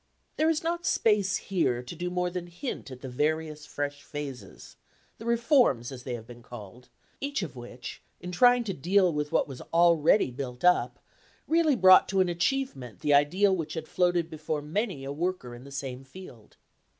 There is not space here to do more than hint at the various fresh phases the reforms, as they have been called each of which, in trying to deal with what was already built up, really brought to an achievement the ideal which had floated before many a worker in the same field.